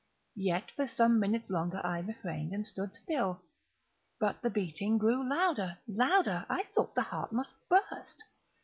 Yet, for some minutes longer I refrained and stood still. But the beating grew louder, louder! I thought the heart must burst.